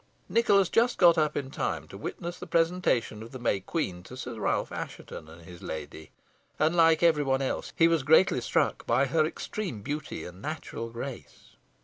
Nicholas just got up in time to witness the presentation of the May Queen to Sir Ralph Assheton and his lady, and like every one else he was greatly struck by her extreme beauty and natural grace.